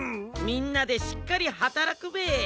みんなでしっかりはたらくべえ。